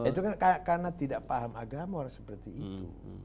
itu kan karena tidak paham agama harus seperti itu